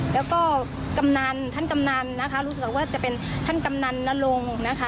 แล้วก็กำนันท่านกำนันนะคะรู้สึกว่าจะเป็นท่านกำนันนรงค์นะคะ